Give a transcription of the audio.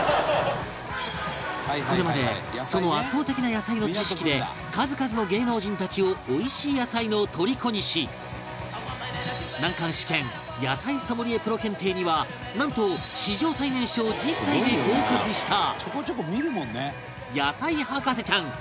これまでその圧倒的な野菜の知識で数々の芸能人たちをおいしい野菜のとりこにし難関試験野菜ソムリエプロ検定にはなんと史上最年少１０歳で合格した